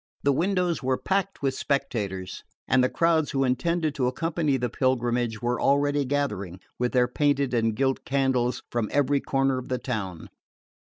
The windows were packed with spectators, and the crowds who intended to accompany the pilgrimage were already gathering, with their painted and gilt candles, from every corner of the town.